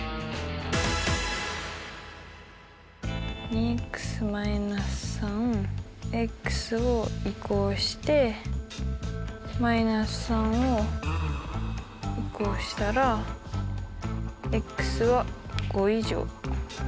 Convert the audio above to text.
２−３を移項して−３を移項したらは５以上。